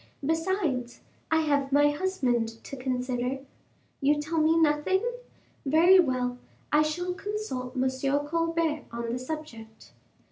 besides, I have my husband to consider. You tell me nothing? Very well, I shall consult M. Colbert on the subject."